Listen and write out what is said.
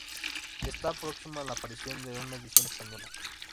Está próxima la aparición de una edición española.